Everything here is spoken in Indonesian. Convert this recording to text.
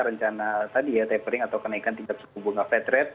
rencana tadi ya tapering atau kenaikan tingkat suku bunga fed rate